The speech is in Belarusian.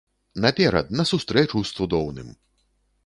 Наперад на сустрэчу з цудоўным!